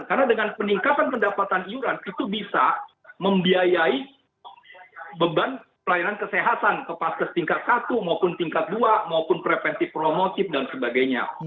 karena dengan peningkatan pendapatan iuran itu bisa membiayai beban pelayanan kesehatan ke paskes tingkat satu maupun tingkat dua maupun preventif promotif dan sebagainya